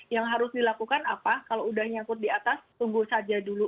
yang harus dilakukan apa kalau udah nyangkut di atas tunggu saja dulu